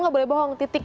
nggak boleh bohong titik